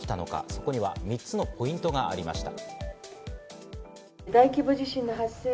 そこには３つのポイントがありました。